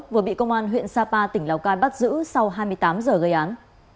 vừa bị công an huyện sapa tỉnh lào cai bắt giữ sau hai mươi tám giờ gây án